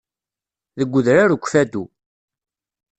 Deg udrar ukffadu.